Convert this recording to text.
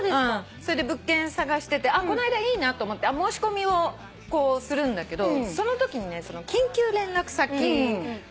それで物件探しててこないだいいなと思って申し込みをするんだけどそのときにね緊急連絡先をね。